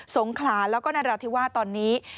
สงขลาแล้วก็นรัฐธิวาสตร์ตอนนี้